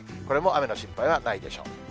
これも雨の心配はないでしょう。